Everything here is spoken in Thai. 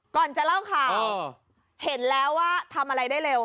ก่อนจะเล่าข่าวเห็นแล้วว่าทำอะไรได้เร็ว